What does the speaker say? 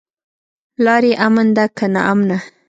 لاره يې امن ده که ناامنه؟